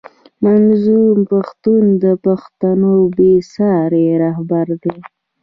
منظور پښتون د پښتنو بې ساری رهبر دی